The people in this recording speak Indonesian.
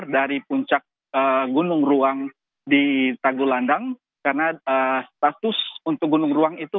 dari puncak gunung ruang di tanggulandang karena status untuk gunung ruang itu